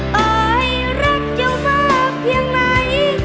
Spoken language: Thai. ตอบให้รักเจ้ามากเพียงไหน